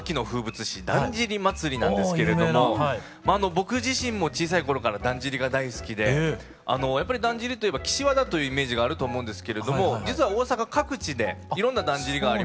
僕自身も小さい頃からだんじりが大好きでやっぱりだんじりといえば岸和田というイメージがあると思うんですけれども実は大阪各地でいろんなだんじりがありまして。